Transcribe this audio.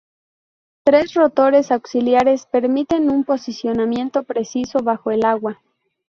Tres rotores auxiliares permiten un posicionamiento preciso bajo el agua.